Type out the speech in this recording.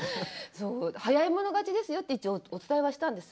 早い者勝ちですよと一応お伝えしたんです。